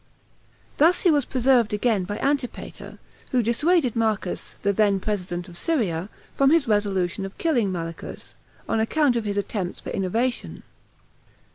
Thus was he preserved again by Antipater, who dissuaded Marcus, the then president of Syria, from his resolution of killing Malichus, on account of his attempts for innovation.